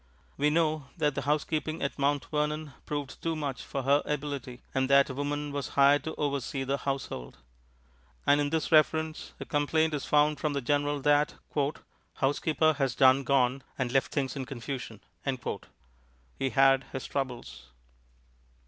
We know that the housekeeping at Mount Vernon proved too much for her ability, and that a woman was hired to oversee the household. And in this reference a complaint is found from the General that "housekeeper has done gone and left things in confusion." He had his troubles.